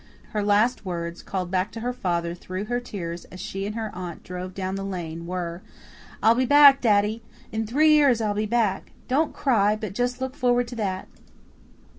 Her last words, called back to her father through her tears as she and her aunt drove down the lane, were, "I'll be back, daddy. In three years I'll be back. Don't cry, but just look forward to that."